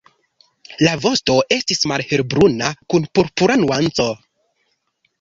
La vosto estis malhelbruna kun purpura nuanco.